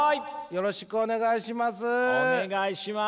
よろしくお願いします。